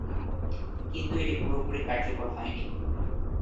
কিন্ত এটি পুরোপুরি কার্যকর হয়নি।